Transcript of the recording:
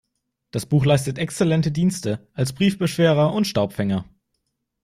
Das Buch leistet exzellente Dienste als Briefbeschwerer und Staubfänger.